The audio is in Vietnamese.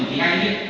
thì hay điện